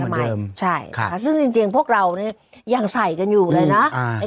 กลับมาเหมือนเดิมใช่ค่ะซึ่งจริงจริงพวกเราเนี่ยยังใส่กันอยู่เลยน่ะอ่า